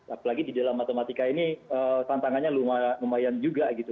apalagi di dalam matematika ini tantangannya lumayan juga gitu